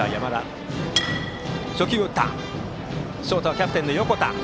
ショートはキャプテンの横田。